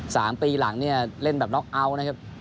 สามปีหลังเนี่ยเล่นแบบนะครับ